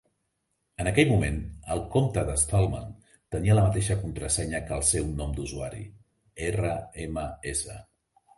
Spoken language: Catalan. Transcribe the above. En aquell moment, el compte de Stallman tenia la mateixa contrasenya que el seu nom d'usuari: "rms".